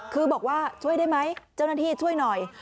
คือบอกว่าช่วยได้ไหมเจ้าหน้าที่ช่วยหน่อย